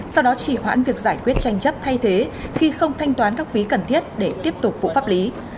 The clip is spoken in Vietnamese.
sau đó chỉ hoãn việc giải quyết tranh chấp thay thế khi không thanh toán các phí cần thiết để tiếp tục phụ pháp lý